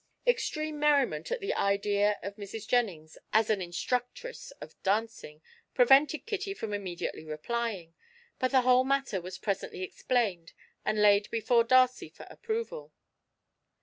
Extreme merriment at the idea of Mrs. Jennings as an instructress of dancing prevented Kitty from immediately replying, but the whole matter was presently explained and laid before Darcy for approval.